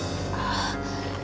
aku sudah mencintai kamila